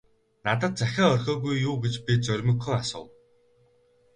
- Надад захиа орхиогүй юу гэж би зоримогхон асуув.